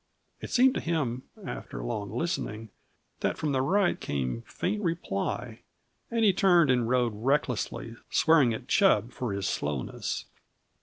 It seemed to him, after long listening, that from the right came faint reply, and he turned and rode recklessly, swearing at Chub for his slowness.